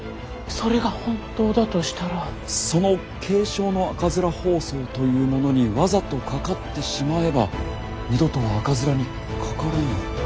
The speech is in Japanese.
その軽症の赤面疱瘡というものにわざとかかってしまえば二度とは赤面にかからぬということになりますか？